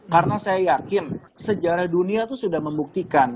karena saya yakin sejarah dunia itu sudah membuktikan